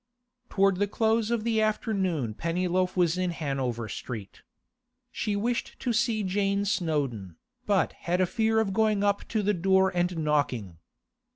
... Towards the close of the afternoon Pennyloaf was in Hanover Street. She wished to see Jane Snowdon, but had a fear of going up to the door and knocking.